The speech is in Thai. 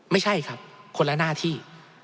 ไม่ใช่ครับคนละหน้าที่